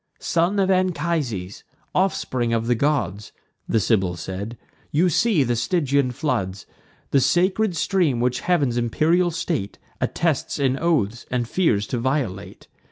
"Son of Anchises, offspring of the gods," The Sibyl said, "you see the Stygian floods, The sacred stream which heav'n's imperial state Attests in oaths, and fears to violate.